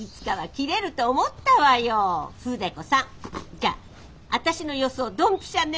じゃあ私の予想ドンピシャね。